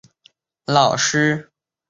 当时他的老师为林立三以及罗冠兰。